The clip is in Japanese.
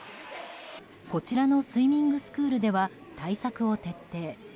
こちらのスイミングスクールでは対策を徹底。